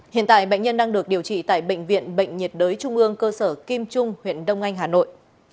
hiện tại bệnh nhân đang được điều trị tại bệnh viện bệnh nhiệt đới trung ương cơ sở kim trung huyện đông anh hà nội